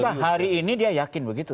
ya hari ini dia yakin begitu